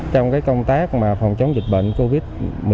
trong công tác phòng chống dịch bệnh covid một mươi chín